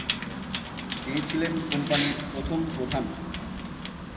তিনি ছিলেন কোম্পানির প্রথম প্রধান।